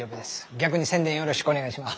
逆に宣伝よろしくお願いします。